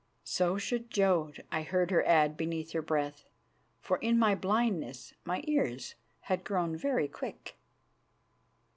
So should Jodd," I heard her add beneath her breath, for in my blindness my ears had grown very quick.